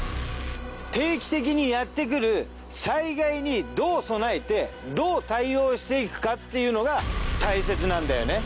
定期的にやってくる災害にどう備えてどう対応していくかっていうのが大切なんだよね。